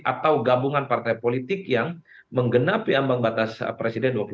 atau gabungan partai politik yang menggenapi ambang batas presiden